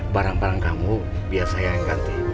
barang barang kamu biar saya yang ganti